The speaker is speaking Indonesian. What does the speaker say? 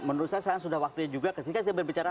menurut saya sekarang sudah waktunya juga ketika kita berbicara